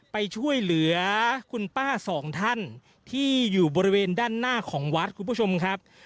ไปช่วยเหลือคุณป้าสองท่านที่อยู่บริเวณด้านหน้าของวัดคุณผู้ชมครับ